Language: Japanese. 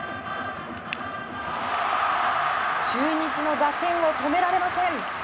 中日の打線を止められません。